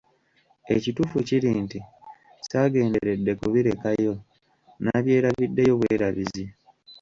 Ekituufu kiri nti, saagenderedde kubirekayo, nabyerabiddeyo bwerabizi.